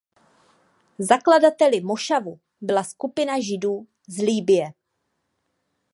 Zakladateli mošavu byla skupina Židů z Libye.